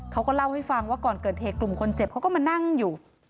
เขาก็เล่าให้ฟังว่าก่อนเกิดเหตุกลุ่มคนเจ็บเขาก็มานั่งอยู่